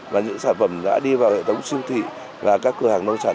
và những sản phẩm đã đi vào hệ thống siêu thị và các cửa hàng nông sản